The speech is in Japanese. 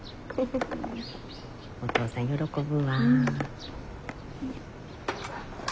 おとうさん喜ぶわ。